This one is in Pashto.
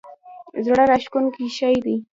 زړه راښکونکی شی دی.